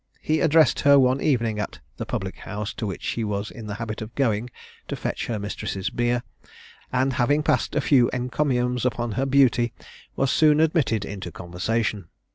He addressed her one evening at the public house to which she was in the habit of going to fetch her mistress's beer, and having passed a few encomiums upon her beauty, was soon admitted into conversation.